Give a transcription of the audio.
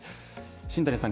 新谷さん